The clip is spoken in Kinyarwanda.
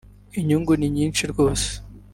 inyungu ni nyinshi rwose